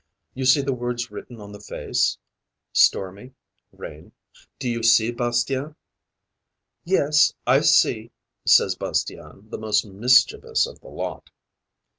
You see the words written on the face stormy, rain do you see, Bastien?' 'Yes, I see,' says Bastien, the most mischievous of the lot.